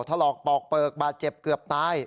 ถลอกปอกเปลือกบาดเจ็บเกือบตาย